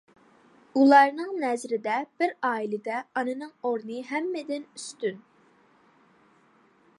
ئۇلارنىڭ نەزىرىدە بىر ئائىلىدە ئانىنىڭ ئورنى ھەممىدىن ئۈستۈن.